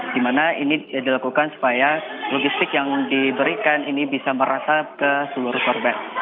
di mana ini dilakukan supaya logistik yang diberikan ini bisa merata ke seluruh korban